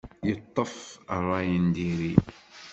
Yeṭṭef rray n diri.